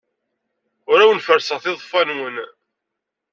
Ur awen-ferrseɣ tiḍeffa-nwen.